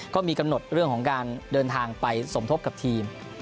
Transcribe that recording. ก็มีกำหนดเรื่องของการเดินทางไปสมทบกับทีม